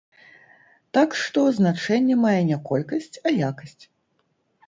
Так што, значэнне мае не колькасць, а якасць.